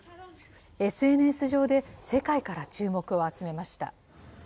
ＳＮＳ上で世界から注目を集めました。